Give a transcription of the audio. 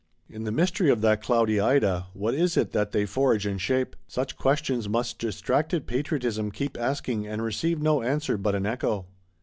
In the mystery of that cloudy Ida, what is it that they forge and shape?—Such questions must distracted Patriotism keep asking, and receive no answer but an echo.